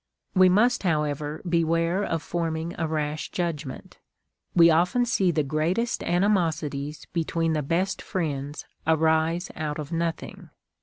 We must, however, beware of forming a rash judgment. We often see the greatest animosities between the best friends arise out of nothing.